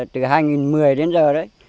từ hai nghìn một mươi đến giờ